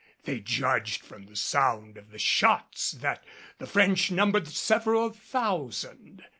They judged from the sound of the shots that the French numbered several thousand.